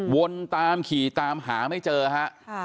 วนตามขี่ตามหาไม่เจอฮะ